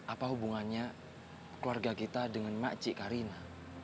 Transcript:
apa hubungannya keluarga kita dengan makci karina